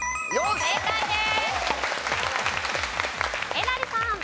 正解です。